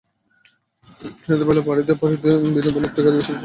শুনিতে পাইল, পড়িতে পড়িতে বিনোদিনী একটা গভীর দীর্ঘনিশ্বাস ফেলিল।